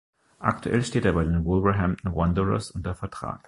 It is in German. Aktuell steht er bei den Wolverhampton Wanderers unter Vertrag.